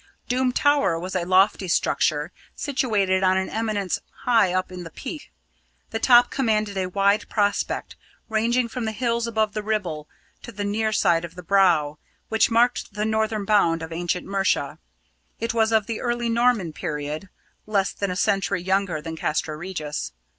Doom Tower was a lofty structure, situated on an eminence high up in the Peak. The top commanded a wide prospect, ranging from the hills above the Ribble to the near side of the Brow, which marked the northern bound of ancient Mercia. It was of the early Norman period, less than a century younger than Castra Regis.